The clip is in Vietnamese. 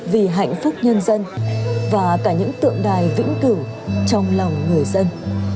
vì hạnh phúc nhân dân và cả những tượng đài vĩnh cửu trong lòng người dân